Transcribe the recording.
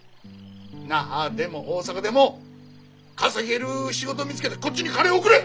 那覇でも大阪でも稼げる仕事を見つけてこっちに金を送れ！